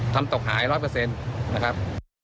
ทำตกหาย๑๐๐นะครับ